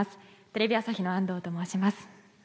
テレビ朝日の安藤と申します。